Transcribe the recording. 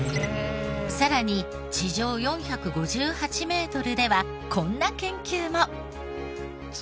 さらに地上４５８メートルではこんな研究も。